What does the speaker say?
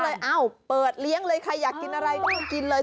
เอ้าเปิดเลี้ยงเลยใครอยากกินอะไรนี่ก็กินเลย